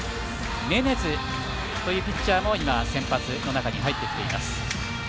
メネズというピッチャーも今入ってきています。